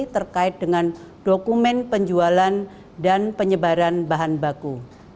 terkait dengan dokumen penjualan dan penyebaran bahan baku